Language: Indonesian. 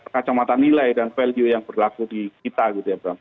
kacamata nilai dan value yang berlaku di kita gitu ya bram